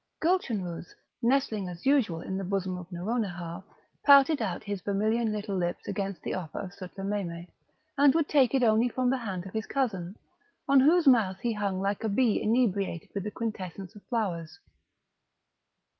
Gulchenrouz, nestling as usual in the bosom of Nouronihar, pouted out his vermilion little lips against the offer of Sutlememe, and would take it only from the hand of his cousin, on whose mouth he hung like a bee inebriated with the quintessence of flowers.